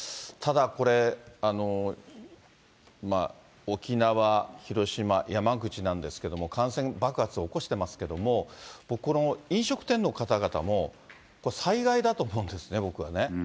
ただこれ、沖縄、広島、山口なんですけれども、感染爆発を起こしていますけれども、僕、この飲食店の方々も、災害だと思うんですね、僕はね。